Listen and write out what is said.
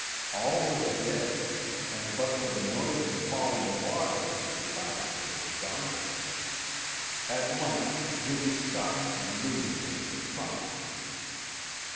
All was dead, and but for the noise of falling water the silence was daunting. At length Jimmy stopped and leaned against a trunk.